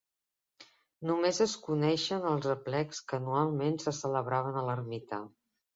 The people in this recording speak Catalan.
Només es coneixen els aplecs que anualment se celebraven a l'ermita.